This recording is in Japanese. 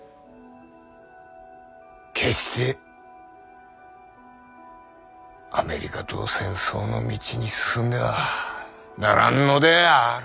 決してアメリカと戦争の道に進んではならんのである。